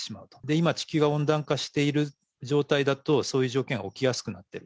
今、地球が温暖化している状態だと、そういう条件が起きやすくなってる。